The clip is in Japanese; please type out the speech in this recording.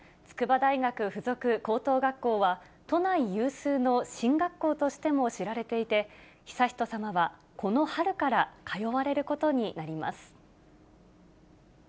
筑波大学附属高等学校は、都内有数の進学校として知られていて、悠仁さまは、この春から通われることになります。